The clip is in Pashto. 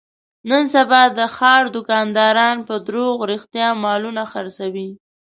نن سبا د ښاردوکانداران په دروغ رښتیا مالونه خرڅوي.